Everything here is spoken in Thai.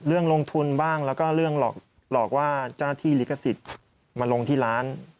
เรื่องลงทุนบ้างแล้วก็เรื่องหลอกว่าเจ้าหน้าที่ลิขสิทธิ์มาลงที่ร้าน